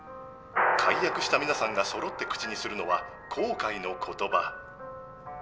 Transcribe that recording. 解約した皆さんがそろって口にするのは後悔の言葉。